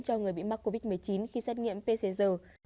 cho người bị mắc covid một mươi chín khi xét nghiệm pcr